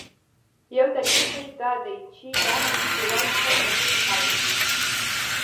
یو دلیل یې خو دا دی چي دا حدیث یوازي په صحیح بخاري کي.